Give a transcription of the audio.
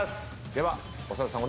では長田さん